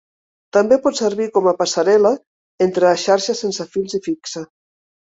També pot servir com a passarel·la entre les xarxes sense fils i fixa.